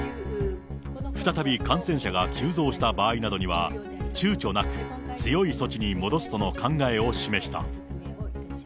再び感染者が急増した場合などには、ちゅうちょなく強い措置に戻すとの考えを示した。